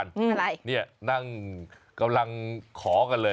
อะไรเนี่ยนั่งกำลังขอกันเลย